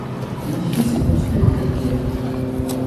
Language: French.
L'édifice est construit en calcaire.